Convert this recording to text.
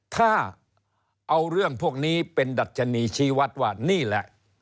ถ้าเอาเรื่องพวกนี้เป็นดัชนีชี้วัดว่านี่แหละ